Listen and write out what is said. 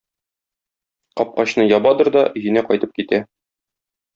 Капкачны ябадыр да өенә кайтып китә.